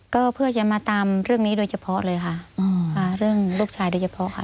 ก็เพื่อจะมาตามเรื่องนี้โดยเฉพาะเลยค่ะเรื่องลูกชายโดยเฉพาะค่ะ